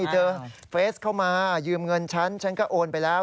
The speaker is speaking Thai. เจอเฟสเข้ามายืมเงินฉันฉันก็โอนไปแล้ว